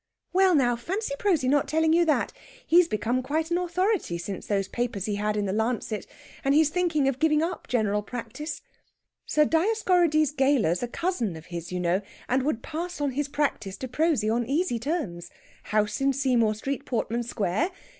"Well, now! Fancy Prosy not telling you that! He's become quite an authority since those papers he had in the 'Lancet,' and he's thinking of giving up general practice. Sir Dioscorides Gayler's a cousin of his, you know, and would pass on his practice to Prosy on easy terms. House in Seymour Street, Portman Square.